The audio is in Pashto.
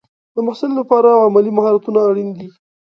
د محصل لپاره عملي مهارتونه اړین دي.